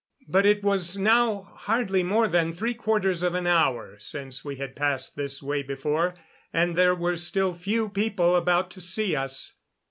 But it was now hardly more than three quarters of an hour since we had passed this way before, and there were still few people about to see us.